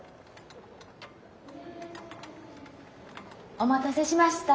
お待たせしました。